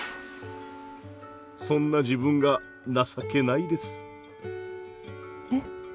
そんな自分が情けないです。え？